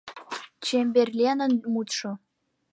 Чемберленын мутшо.